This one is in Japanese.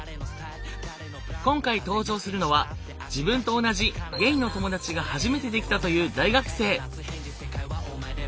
今回登場するのは自分と同じゲイの友達が初めてできたという大学生。